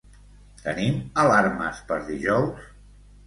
Tenim alarmes per dijous?